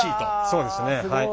そうですねはい。